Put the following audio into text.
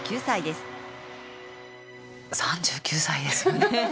３９歳ですね。